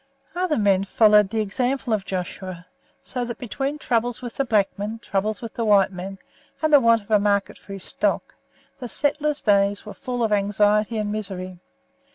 Other men followed the example of Joshua, so that between troubles with the black men, troubles with the white men, and the want of a market for his stock, the settler's days were full of anxiety and misery.